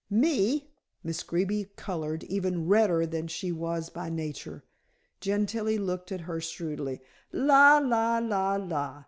"Me?" Miss Greeby colored even redder than she was by nature. Gentilla looked at her shrewdly. "La! La! La! La!"